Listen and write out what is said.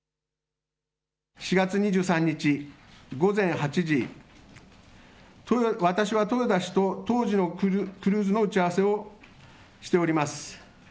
４月２３日午前８時、私は豊田氏と当時のクルーズの打ち合わせをしております。